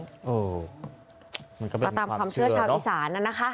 เออมันก็เป็นความเชื่อเนอะตามความเชื่อชาวอีสานนั้นนะคะ